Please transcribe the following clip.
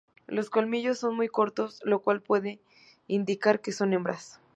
Los colmillos son muy cortos, lo cual puede indicar que son hembras.